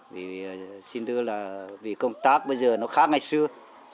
vì xin thưa là vì công tác bây giờ nó khác ngày xưa